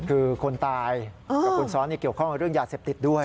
คือคนตายกับคนซ้อนเกี่ยวข้องกับเรื่องยาเสพติดด้วย